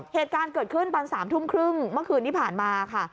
เหตุการณ์เกิดขึ้นตอน๓ทุ่มครึ่งเมื่อคืนที่ผ่านมาค่ะ